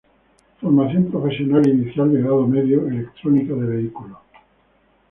Formación Profesional Inicial de Grado Medio: Electrónica de vehículos.